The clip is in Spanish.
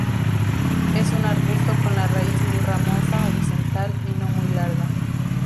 Es un arbusto con la raíz muy ramosa, horizontal y no muy larga.